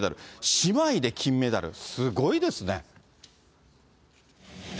姉妹で金メダル、すごいですね。